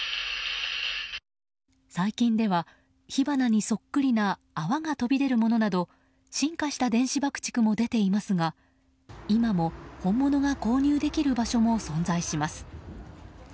最近では火花にそっくりな泡が飛び出るものなど進化した電子爆竹も出ていますが今も本物が購入できる場所も存在します。